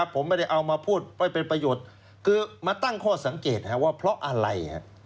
ผมไม่ได้เอามาพูดไว้เป็นประโยชน์คือมาตั้งข้อสังเกตว่าเพราะอะไร